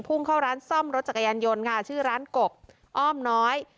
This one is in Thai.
พุ่งเข้าร้านซ่อมรถจักรยานยนต์ค่ะชื่อร้านกบอ้อมน้อย